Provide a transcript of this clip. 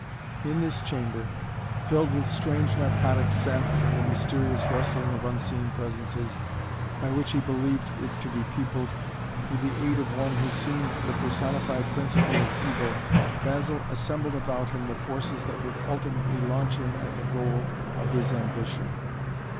In this chamber, filled with strange narcotic scents and the mysterious rustling of unseen presences, by which he believed it to be peopled, with the aid of one who seemed the personified Principle of Evil, Basil assembled about him the forces that would ultimately launch him at the goal of his ambition.